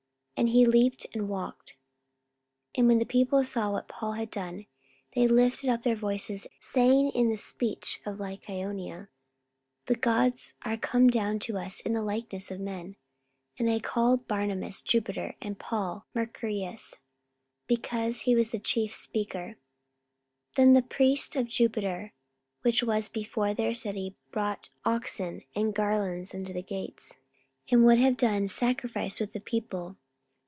And he leaped and walked. 44:014:011 And when the people saw what Paul had done, they lifted up their voices, saying in the speech of Lycaonia, The gods are come down to us in the likeness of men. 44:014:012 And they called Barnabas, Jupiter; and Paul, Mercurius, because he was the chief speaker. 44:014:013 Then the priest of Jupiter, which was before their city, brought oxen and garlands unto the gates, and would have done sacrifice with the people.